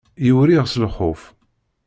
Yiwriɣ s lxuf.